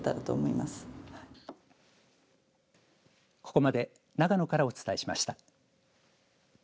ここまで長野からお伝えしました。